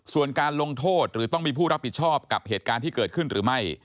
ส่วนการลงโทษหรือต้องมีผู้รับผิดชอบกับเหตุการณ์ที่เกิดขึ้นหรือไม่